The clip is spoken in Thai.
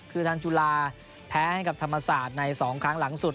คือทางจุฬาแพ้ให้กับธรรมศาสตร์ใน๒ครั้งหลังสุด